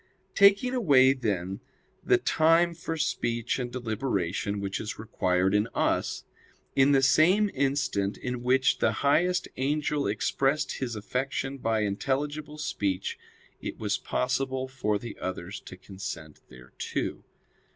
Taking away, then, the time for speech and deliberation which is required in us; in the same instant in which the highest angel expressed his affection by intelligible speech, it was possible for the others to consent thereto.